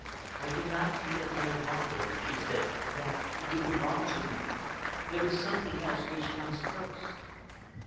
"I do not feel any longer," she said, "that you belong to me. There is something else which comes first."